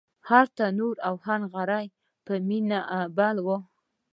هر تنور او هر نغری په مینه بل و